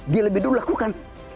dia lebih dulu lakukan